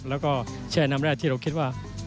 แล้วก็แช่น้ำแรกที่เราคิดว่า